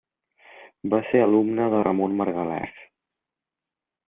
Va ser alumne de Ramon Margalef.